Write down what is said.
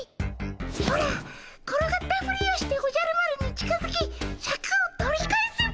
オラ転がったふりをしておじゃる丸に近づきシャクを取り返すっ